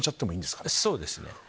そうですね。